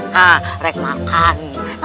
ha rek makan